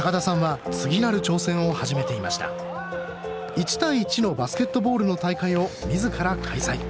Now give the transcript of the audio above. １対１のバスケットボールの大会を自ら開催。